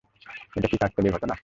এটা কি কাকতালীয় ঘটনা?